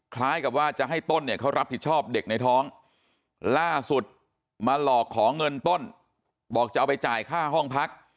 คล้ายกับว่าจะให้ต้นเนี่ยเขารับผิดชอบเด็กในท้องล่าสุดมาหลอกขอเงินต้นบอกจะเอาไปจ่ายค่าห้องพัก